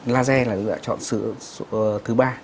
laser là lựa chọn thứ ba